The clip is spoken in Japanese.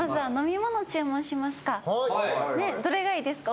どれがいいですか？